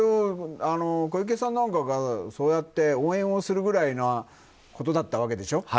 小池さんなんかがそうやって応援をするくらいなことだったわけでしょ。